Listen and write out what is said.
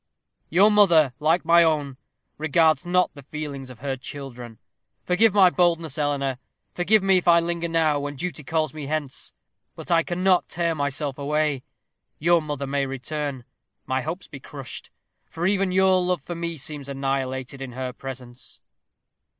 "Your mother, like my own, regards not the feelings of her children. Forgive my boldness, Eleanor; forgive me if I linger now, when duty calls me hence; but I cannot tear myself away. Your mother may return my hopes be crushed; for even your love for me seems annihilated in her presence."